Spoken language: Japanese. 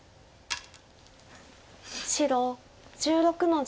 白１６の十ツギ。